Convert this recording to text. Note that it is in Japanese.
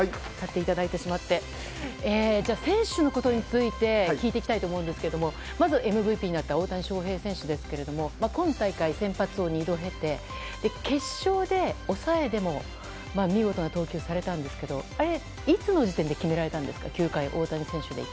選手のことについて聞いていきたいと思うんですがまず、ＭＶＰになった大谷翔平選手ですけれども今大会、先発を２度経て決勝で抑えでも見事な投球をされたんですがあれ、いつの時点で決められたんですか？